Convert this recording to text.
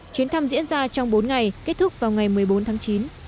chuyến thăm diễn ra trong bốn ngày kết thúc vào ngày một mươi bốn tháng chín